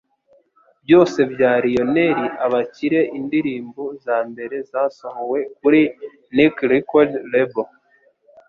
Byose bya Lionel Abakire Indirimbo Zambere Zasohowe Kuri Niki Record Label